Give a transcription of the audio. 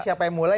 siapa yang mulai